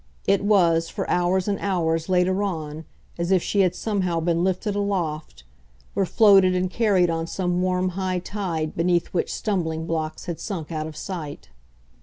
It was, for hours and hours, later on, as if she had somehow been lifted aloft, were floated and carried on some warm high tide beneath which stumbling blocks had sunk out of sight.